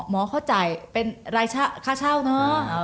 หมอเขาจ่ายเป็นรายค่าเช่าเนอะ